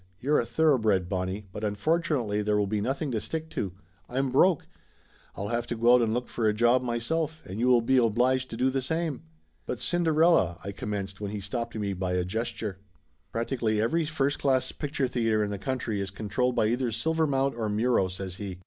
"You're a thoroughbred, Bonnie, but unfortunately there will be nothing to stick to. I'm broke. I'll have to go out and look for a job myself, and you will be obliged to do the same." "But Cinderella " I commenced when he stopped me by a gesture. "Practically every first class picture theater in the country is controlled by either Silvermount or Muro," says he.